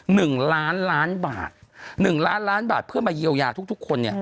หนึ่งล้านล้านบาทหนึ่งล้านล้านบาทเพื่อมาเยียวยาทุกทุกคนเนี่ย